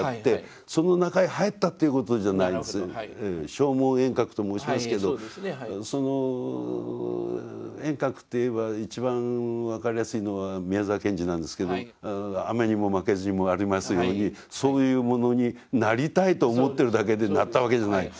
声聞縁覚と申しますけど縁覚っていえば一番分かりやすいのは宮沢賢治なんですけど「雨ニモ負ケズ」にもありますようにそういうものになりたいと思ってるだけでなったわけじゃない。